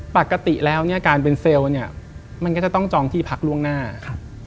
ปกติแล้วเนี่ยการเป็นเซลล์เนี่ยมันก็จะต้องจองที่พักล่วงหน้าครับ